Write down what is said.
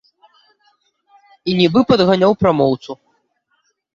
І нібы падганяў прамоўцу.